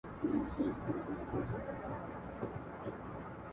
څنګ له ټولو قومونو څخه ګټه اخیسته؛ خو د تاجکانو